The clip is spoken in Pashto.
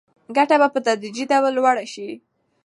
ګټه به په تدریجي ډول لوړه شي.